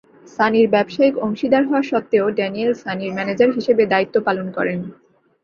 সানির ব্যবসায়িক অংশীদার হওয়া সত্ত্বেও ড্যানিয়েল সানির ম্যানেজার হিসেবেও দায়িত্ব পালন করেন।